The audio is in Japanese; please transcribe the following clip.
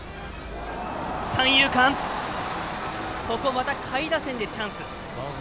また下位打線でチャンス。